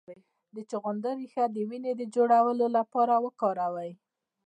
د چغندر ریښه د وینې د جوړولو لپاره وکاروئ